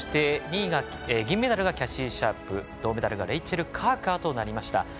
凌銀メダルがキャシー・シャープ銅メダルがレイチェル・カーカーとなりました。